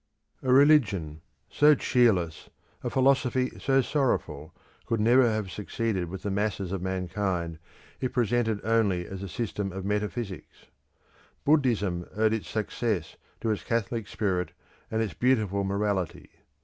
A religion so cheerless, a philosophy so sorrowful, could never have succeeded with the masses of mankind if presented only as a system of metaphysics. Buddhism owed its success to its catholic spirit and its beautiful morality.